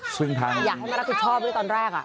ซึ่งทางอยากให้มารับผิดชอบด้วยตอนแรก